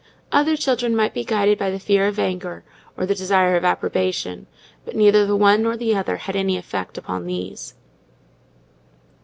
Other children might be guided by the fear of anger and the desire of approbation; but neither the one nor the other had any effect upon these.